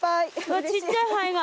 うわっちっちゃいハエが。